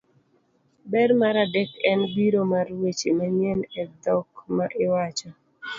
Ber mar adek en biro mar weche manyien e dhok ma iwacho,